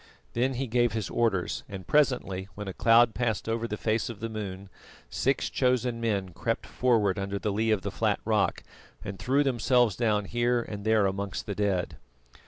Then he gave his orders, and presently, when a cloud passed over the face of the moon, six chosen men crept forward under the lee of the flat rock and threw themselves down here and there amongst the dead.